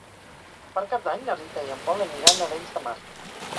Per Cap d'Any na Rita i en Pol aniran a Arenys de Mar.